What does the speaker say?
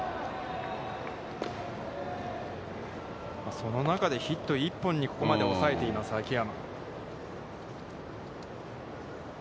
その中でヒット１本にここまで抑えています、秋山。